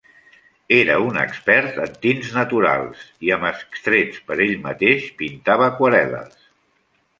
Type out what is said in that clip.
Era un expert en tints naturals i amb extrets per ell mateix, pintava aquarel·les.